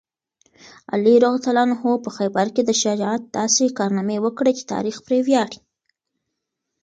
علي رض په خیبر کې د شجاعت داسې کارنامې وکړې چې تاریخ پرې ویاړي.